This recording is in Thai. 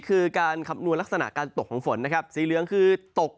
คือการคำนวณลักษณะการตกของฝนนะครับสีเหลืองคือตก